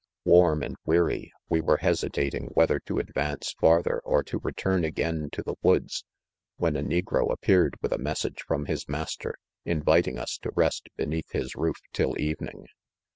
( 4 ) Warm and weary, we were hesitating wheth er, to advance farther or to return again to the woods, when a negro appeared with a message from his master, inviting us to rest beneath his. roof till evening.